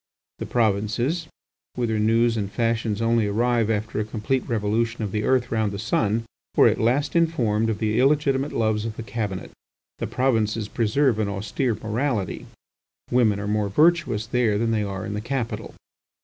The provinces, whither news and fashions only arrive after a complete revolution of the earth round the sun, were at last informed of the illegitimate loves of the Cabinet. The provinces preserve an austere morality; women are more virtuous there than they are in the capital.